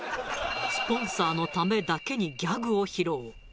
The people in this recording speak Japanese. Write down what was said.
スポンサーのためだけにギャグを披露。